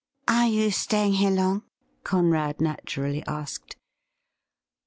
' Are you staying here long P' Conrad naturally asked.